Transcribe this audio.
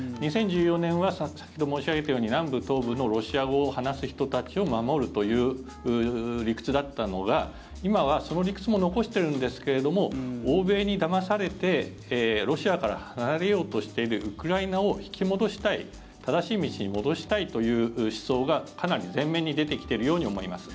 ２０１４年は先ほど申し上げたように南部・東部のロシア語を話す人たちを守るという理屈だったのが今はその理屈も残しているんですけれども欧米にだまされてロシアから離れようとしているウクライナを引き戻したい正しい道に戻したいという思想がかなり前面に出てきているように思います。